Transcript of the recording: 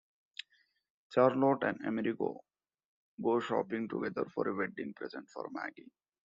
Charlotte and Amerigo go shopping together for a wedding present for Maggie.